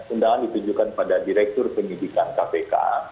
undangan ditunjukkan pada direktur pendidikan kpk